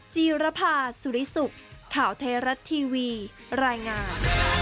จีรภาสุริสุขข่าวไทยรัฐทีวีรายงาน